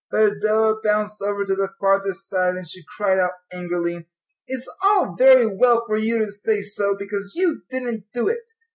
But Adela bounced over to the farther side, and she cried out angrily, "It's all very well for you to say so, because you didn't do it.